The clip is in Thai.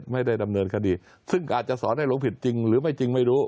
ไม่ได้ดำเนินคดีซึ่งอาจจะสอนให้หลงผิดจริงหรือไม่จริงไม่รู้